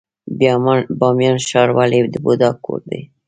بامیان ښار ولې د بودا کور دی؟